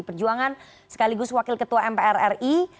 perjuangan sekaligus wakil ketua mpr ri